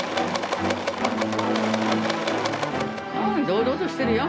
堂々としてるよ。